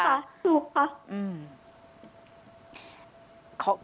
ขอแน็ตย้อนกลับไปนะคะ